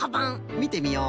みてみよう。